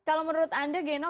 kalau menurut anda geno